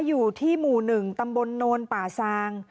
อยู่ที่หมู่๑ตำบลโนนป่าซาง